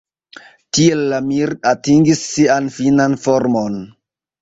Tiel la Mir atingis sian finan formon.